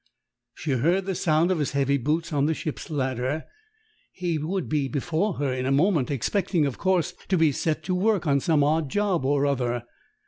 She heard the sound of his heavy boots on the ship's ladder: he would be before her in a moment, expecting, of course, to be set to work on some odd job or other.